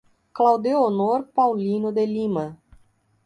Claudeonor Paulino de Lima